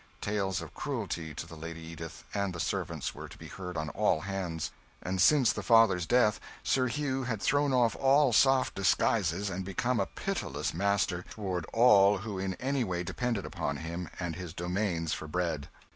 Tales of cruelty to the Lady Edith and the servants were to be heard on all hands; and since the father's death Sir Hugh had thrown off all soft disguises and become a pitiless master toward all who in any way depended upon him and his domains for bread.